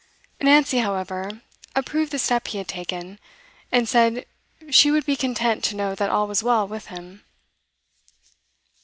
Nancy, however, approved the step he had taken, and said she would be content to know that all was well with him.